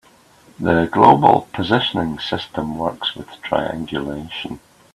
The global positioning system works with triangulation.